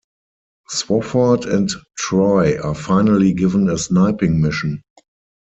Swofford and Troy are finally given a sniping mission.